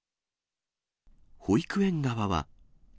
保育園側は。